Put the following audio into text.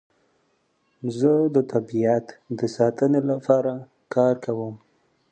زه د طبیعت د ساتنې لپاره کار کوم.